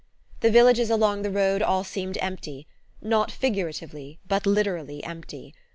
The villages along the road all seemed empty not figuratively but literally empty.